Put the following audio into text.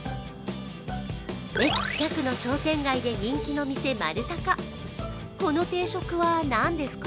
駅近くの商店街で人気の店、まるたか。